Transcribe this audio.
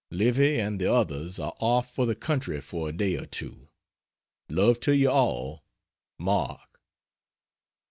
Livy and the others are off for the country for a day or two. Love to you all MARK.